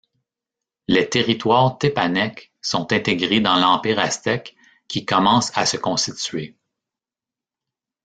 Les territoires tépanèques sont intégrés dans l'empire aztèque qui commence à se constituer.